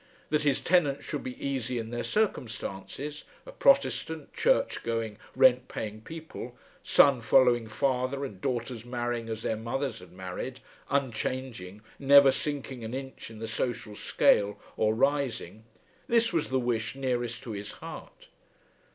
That his tenants should be easy in their circumstances, a protestant, church going, rent paying people, son following father, and daughters marrying as their mothers had married, unchanging, never sinking an inch in the social scale, or rising, this was the wish nearest to his heart.